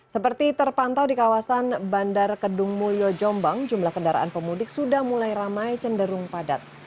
seperti terpantau di kawasan bandar kedung mulyo jombang jumlah kendaraan pemudik sudah mulai ramai cenderung padat